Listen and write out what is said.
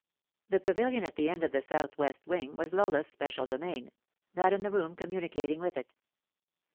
The pavilion at the end of the south west wing was Lola's Bpecial domain, that and the room communicating with it.